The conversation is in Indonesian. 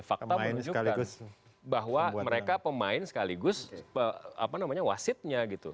fakta menunjukkan bahwa mereka pemain sekaligus wasitnya gitu